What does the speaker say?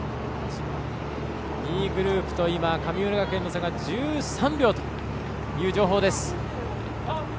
２位グループと神村学園の差が１３秒という情報です。